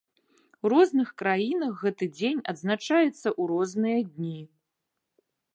У розных краінах гэты дзень адзначаецца ў розныя дні.